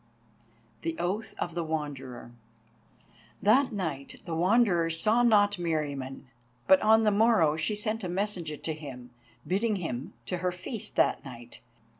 THE OATH OF THE WANDERER That night the Wanderer saw not Meriamun, but on the morrow she sent a messenger to him, bidding him to her feast that night.